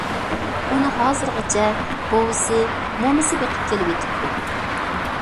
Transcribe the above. ئۇنى ھازىرغىچە بوۋىسى، مومىسى بېقىپ كېلىۋېتىپتۇ.